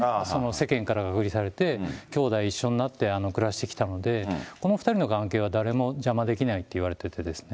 世間から隔離されて、兄妹一緒になって暮らしてきたので、この２人の関係は、誰も邪魔できないって言われてですね。